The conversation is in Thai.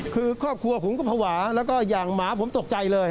คือครอบครัวผมก็ภาวะแล้วก็อย่างหมาผมตกใจเลย